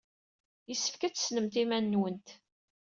Yessefk ad tessnemt iman-nwent.